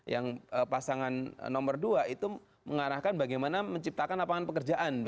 yang pasangan nomor dua itu mengarahkan bagaimana menciptakan lapangan pekerjaan